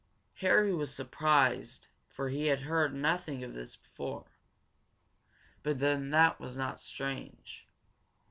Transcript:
Harry was surprised for he had heard nothing of this before. But then that was not strange.